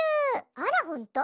あらほんと。